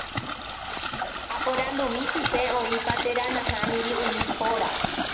Aporandumi chupe oĩpa térã nahániri umi póra.